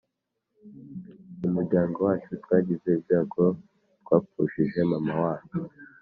Mumuryango wacu twagize ibyago twapfushije mama wacu